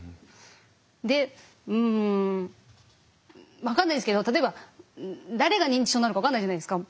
でうん分かんないですけど例えば誰が認知症になるか分かんないじゃないですか。